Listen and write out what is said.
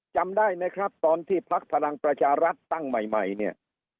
จำได้ไหมครับตอนที่พักพลังประชารัฐตั้งใหม่เนี่ย